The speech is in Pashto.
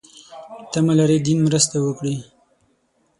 تمه لري دین مرسته وکړي.